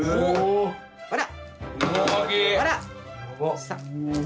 ほら！